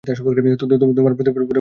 তোমার প্রতিপালক সর্বজ্ঞ, প্রজ্ঞাময়।